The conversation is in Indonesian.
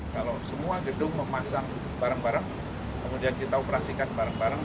kalau semua gedung memasang bareng bareng kemudian kita operasikan bareng bareng